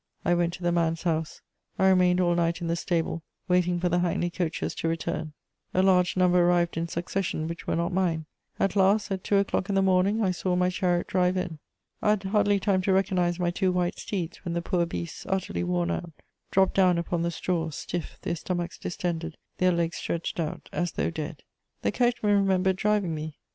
I went to the man's house; I remained all night in the stable, waiting for the hackney coaches to return: a large number arrived in succession which were not mine; at last, at two o'clock in the morning, I saw my chariot drive in. I had hardly time to recognise my two white steeds, when the poor beasts, utterly worn out, dropped down upon the straw, stiff, their stomachs distended, their legs stretched out, as though dead. The coachman remembered driving me.